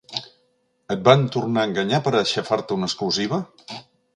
Et van tornar a enganyar per aixafar-te una exclusiva?